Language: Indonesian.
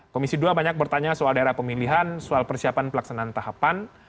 komisi dua banyak bertanya soal daerah pemilihan soal persiapan pelaksanaan tahapan